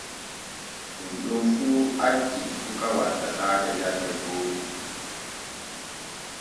Ɗun ɗon fu acci suka wattataake jande booko.